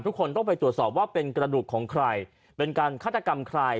ทุกคนต้องไปตรวจสอบว่าเป็นกระดูกของใครเป็นการฆาตกรรมใคร